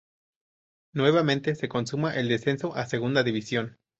Nuevamente se consuma el descenso a Segunda División.